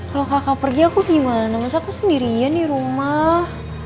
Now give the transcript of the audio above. kalau kakak pergi aku gimana maksudnya aku sendirian di rumah